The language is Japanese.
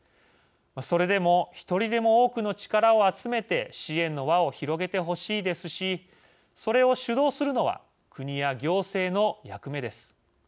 それでも１人でも多くの力を集めて支援の輪を広げてほしいですしそれを主導するのは国や行政の役目です。